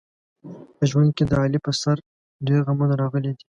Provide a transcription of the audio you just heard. په ژوند کې د علي په سر ډېر غمونه راغلي دي.